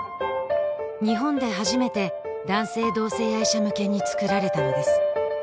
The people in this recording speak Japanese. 日本で初めて男性同性愛者向けにつくられたのです